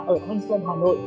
ở thanh xuân hà nội